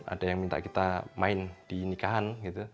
ada yang minta kita main di nikahan